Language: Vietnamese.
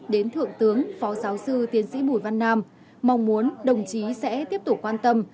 đến thượng tướng phó giáo sư tiến sĩ bùi văn nam mong muốn đồng chí sẽ tiếp tục quan tâm